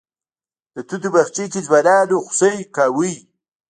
د توتو باغچې کې ځوانانو خوسی کوه.